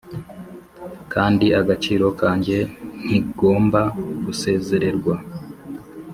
kandi agaciro kanjye ntigomba gusezererwa